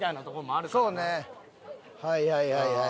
はいはいはいはい。